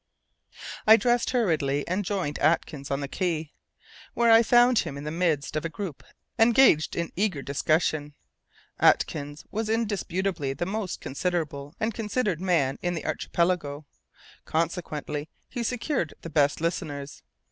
I dressed hurriedly and joined Atkins on the quay, where I found him in the midst of a group engaged in eager discussion. Atkins was indisputably the most considerable and considered man in the archipelago consequently he secured the best listeners.